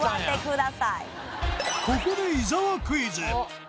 ここで伊沢クイズ